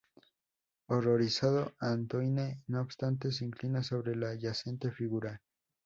Horrorizado, Antoine, no obstante, se inclina sobre la yacente figura.